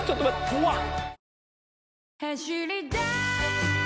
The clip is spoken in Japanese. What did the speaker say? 怖っ！